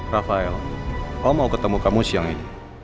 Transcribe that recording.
rafael oh mau ketemu kamu siang ini